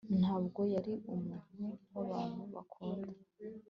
Ntabwo yari umuntu wabantu bakunda